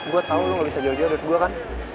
gue tau lu gak bisa jauh jauh dari gua kan